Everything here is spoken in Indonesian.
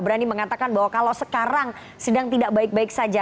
berani mengatakan bahwa kalau sekarang sedang tidak baik baik saja